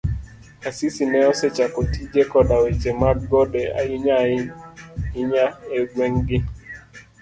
Asisi ne osechako tije koda weche mag gode ahinya hinya e gweng' gi.